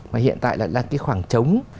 mà hiện tại là cái khoảng trống